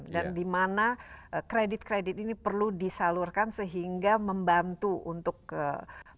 dan di mana kredit kredit ini perlu disalurkan sehingga membantu untuk membuat basis perekonomian kita